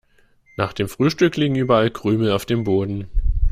Nach dem Frühstück liegen überall Krümel auf dem Boden.